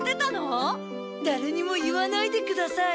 だれにも言わないでください。